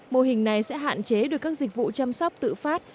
mô hình này sẽ hạn chế được các dịch vụ chăm sóc tự phát